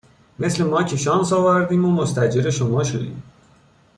مثل ما که شانس آوردیم و مستأجر شما شدیم